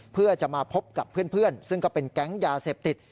เพื่อจะมาพบกับเพื่อนซึ่งก็เป็นแก๊งยาเสพติด